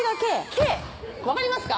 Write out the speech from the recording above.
Ｋ分かりますか？